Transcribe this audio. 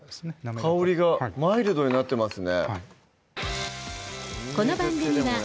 香りがマイルドになってますね